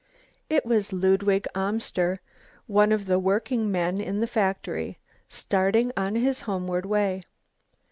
It was Ludwig Amster, one of the working men in the factory, starting on his homeward way.